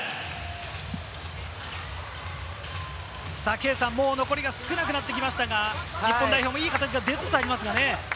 圭さん、残り少なくなってきましたが、日本代表、いい形が出つつありますね。